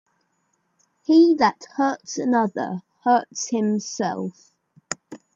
He that hurts another, hurts himself.